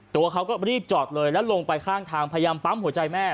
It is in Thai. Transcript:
ตัวเขาก็รีบจอดเลยแล้วลงไปข้างทางพยายามปั๊มหัวใจแม่